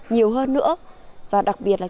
nhiều hơn nữa và đặc biệt là